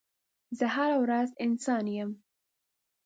زه هره ورځ انسانه یم